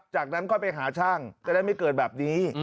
จากนั้นค่อยไปหาช่างจะได้ไม่เกิดแบบนี้